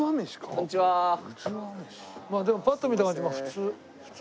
でもパッと見た感じ普通。